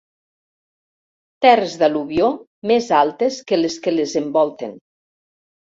Terres d'al·luvió més altes que les que les envolten.